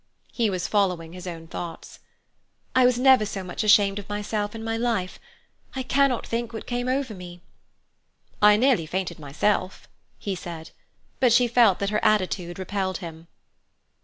He was following his own thoughts. "I was never so much ashamed of myself in my life; I cannot think what came over me." "I nearly fainted myself," he said; but she felt that her attitude repelled him.